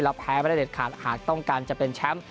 แพ้ไม่ได้เด็ดขาดหากต้องการจะเป็นแชมป์